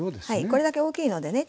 これだけ大きいのでね